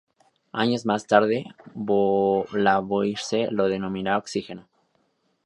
Años más tarde Lavoisier lo denominaría "oxígeno".